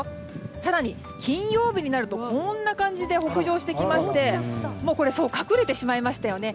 更に金曜日になるとこんな感じで北上してきまして隠れてしまいましたよね。